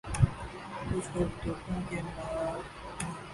کچھ کرتوتوں کی مار ہے۔